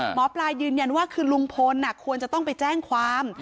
หมอปลายืนยันว่าคือลุงพลควรจะต้องไปแจ้งความ